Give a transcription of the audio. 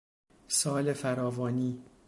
سال فراوانی...